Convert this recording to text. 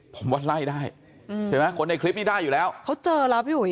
ผมว่าไล่ได้ใช่ไหมคนในคลิปนี้ได้อยู่แล้วเขาเจอแล้วพี่อุ๋